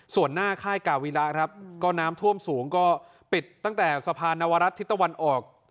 ส่วนหน้าค่ายกาวิระครับก็น้ำท่วมสูงก็ปิดตั้งแต่สะพานนวรัฐทิศตะวันออก